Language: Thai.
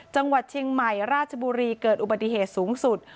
จังหวัดเชียงใหม่ราชบุรีเกิดอุบัติเหตุสูงสุด